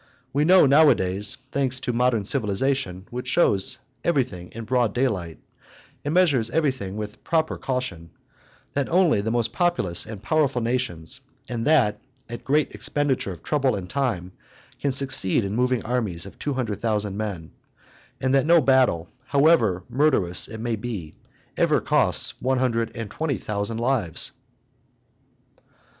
We know nowadays, thanks to modern civilization, which shows everything in broad daylight, and measures everything with proper caution, that only the most populous and powerful nations, and that at great expenditure of trouble and time, can succeed in moving armies of two hundred thousand men, and that no battle, however murderous it may be, ever costs one hundred and twenty thousand lives.